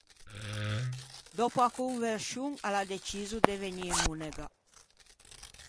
Dòppo a converscion a l’à deciso de vegnî monega.